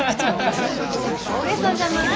大げさじゃない？